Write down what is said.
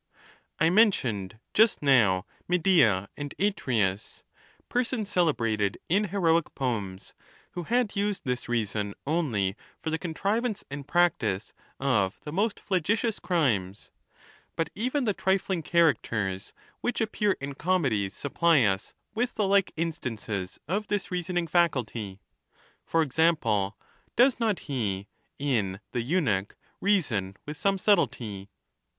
I mentioned just now Medea and Atreus, per sons celebrated in heroic poems, who had used this rea son only for the contrivance and practice of the most fla gitious crimes ; but even the trifling characters which ap pear in comedies supply us with the like instances of this reasoning faculty ; for example, does not he, in the Eu nuch, reason with some subtlety